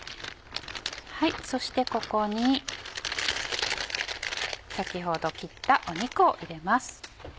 そしてここに先ほど切った肉を入れます。